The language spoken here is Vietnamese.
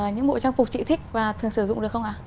những bộ trang phục chị thích và thường sử dụng được không ạ